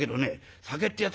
酒ってやつはね